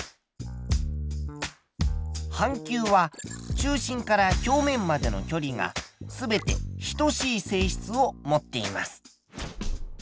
半球は中心から表面までの距離が全て等しい性質を持っています。